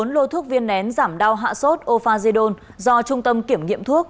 bốn lô thuốc viên nén giảm đau hạ sốt offajidon do trung tâm kiểm nghiệm thuốc